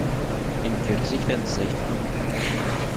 Yenker zik tanezzayt-a.